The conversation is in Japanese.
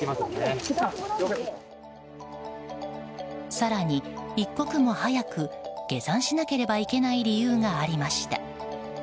更に、一刻も早く下山しなければいけない理由がありました。